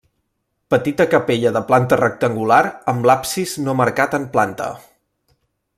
Petita capella de planta rectangular amb l'absis no marcat en planta.